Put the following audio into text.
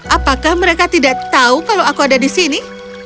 apakah mereka tidak tahu kalau aku ada di sini